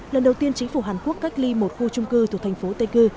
lần đầu tiên chính phủ hàn quốc cách ly một khu trung cư thuộc thành phố tây cư